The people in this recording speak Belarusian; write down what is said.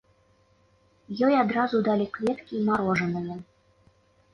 Ёй адразу далі кветкі і марожанае.